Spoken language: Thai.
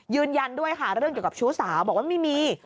ยืนยันด้วยค่ะเรื่องเกี่ยวกับชู้สาวบอกว่าไม่มี